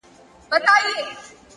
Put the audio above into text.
خاموش پرمختګ تر لوړ شعار اغېزمن وي،